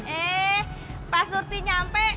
eh pas surti nyampe